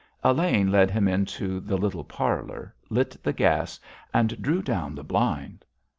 Elaine led him into the little parlour, lit the gas and drew down the blind.